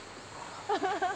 アハハハ。